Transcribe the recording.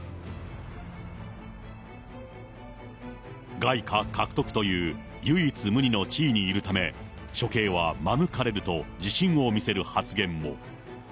外貨獲得という唯一無二の地位にいるため、処刑は免れると自信を見せる発言も。